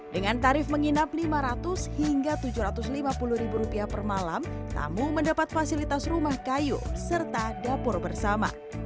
dengan tarif menginap lima ratus hingga tujuh ratus lima puluh ribu rupiah per malam tamu mendapat fasilitas rumah kayu serta dapur bersama